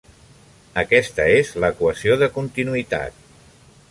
Aquesta és l'equació de continuïtat.